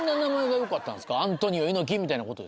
アントニオ猪木みたいなこと？